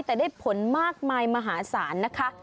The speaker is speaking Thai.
แต่ได้ผลมากมายมหาศาลนะคะ